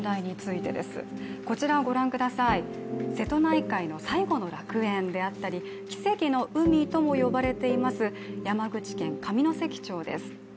こちらをご覧ください、瀬戸内海の最後の楽園であったり、奇跡の海とも呼ばれています山口県上関町です。